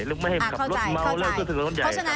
หรือไม่ให้กลับรถเมาเรื่องขึ้นถึงรถใหญ่ครับ